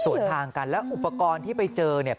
ส่วนทางกันแล้วอุปกรณ์ที่ไปเจอเนี่ย